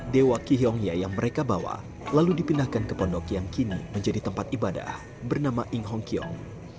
dewa kihongya yang mereka bawa lalu dipindahkan ke pondok yang kini menjadi tempat ibadah bernama inghong kiong